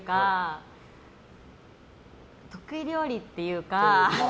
得意料理っていうか。